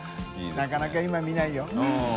なかなか今見ないよ。